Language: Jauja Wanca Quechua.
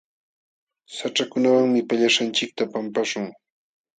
Haćhakunawanmi pallaśhqanchikta pampaśhun.